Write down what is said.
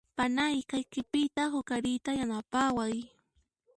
Panay kay q'ipita huqariyta yanapaway.